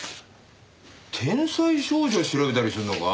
天才少女を調べたりするのか？